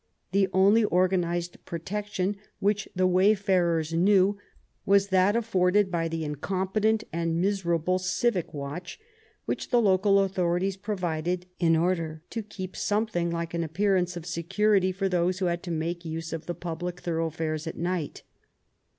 The only organized pro tection which the wayfarers knew was that afforded by the incompetent and miserable civic watch which the local authorities provided in order to keep up some thing like an appearance of security for those who had to make use of the public thoroughfares at night.